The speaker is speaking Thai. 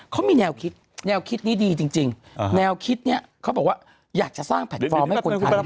เขามีแนวคิดแนวคิดนี้ดีจริงแนวคิดนี้เขาบอกว่าอยากจะสร้างแพลตฟอร์มให้คนไทย